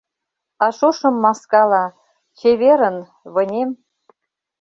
А шошым маскала: «Чеверын, вынем!»